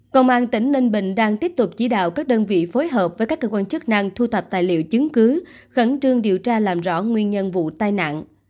công an tỉnh ninh bình đang tiếp tục chỉ đạo các đơn vị phối hợp với các cơ quan chức năng thu thập tài liệu chứng cứ khẩn trương điều tra làm rõ nguyên nhân vụ tai nạn